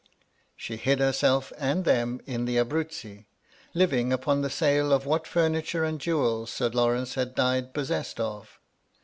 She hid herself and them in the Abruzzi, living upon the sale of what furniture and jewels Sir Lawrence had died possessed of.